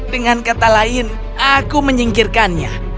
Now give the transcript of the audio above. dengan kata lain aku menyingkirkannya